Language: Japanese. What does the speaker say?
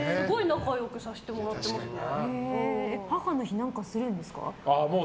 すごい母の日、何かするんですか？